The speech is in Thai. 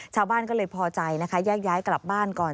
ชาวบ้านก็เลยพอใจนะคะแยกย้ายกลับบ้านก่อน